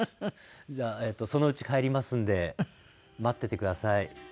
じゃあえっとそのうち帰りますんで待っててください。